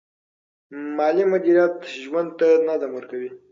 مالي مدیریت ژوند ته نظم ورکوي.